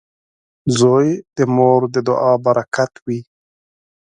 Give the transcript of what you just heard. • زوی د مور د دعا برکت وي.